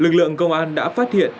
lực lượng công an đã phát hiện